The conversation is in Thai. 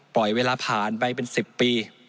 ปล่อยเวลาผ่านไปเป็น๑๐ปี